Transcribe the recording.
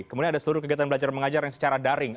kemudian ada seluruh kegiatan belajar mengajar yang secara daring